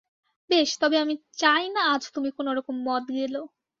বেশ, তবে আমি চাই না আজ তুমি কোনোরকম মদ গেলো।